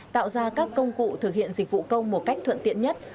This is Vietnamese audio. tạo ra các công cụ thực hiện dịch vụ công một cách thuận tiện nhất